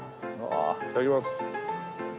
いただきます。